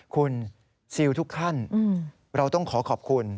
คุณซิลทุกขั้นเราต้องขอขอบคุณ